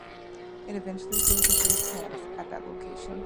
It eventually grew to three plants at that location.